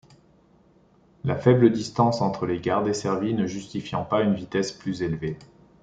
La faible distance entre les gares desservies ne justifiant pas une vitesse plus élevée.